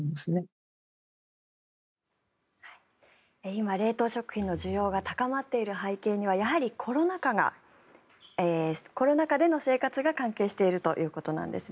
今、冷凍食品の需要が高まっている背景にはやはりコロナ禍での生活が関係しているということです。